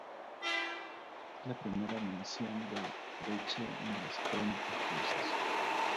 Es la primera mención del veche en las crónicas rusas.